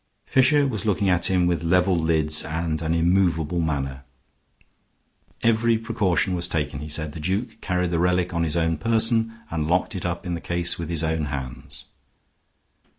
Fisher was looking at him with level lids and an immovable manner. "Every precaution was taken," he said. "The Duke carried the relic on his own person, and locked it up in the case with his own hands."